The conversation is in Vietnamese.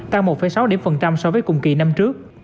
tăng một sáu so với cùng kỳ năm trước